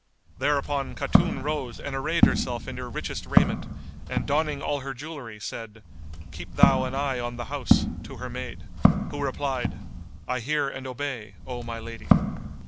Thereupon Khatun rose and arrayed herself in her richest raiment, and donning all her jewellery said, "Keep thou an eye on the house," to her maid, who replied, "I hear and obey, O my lady."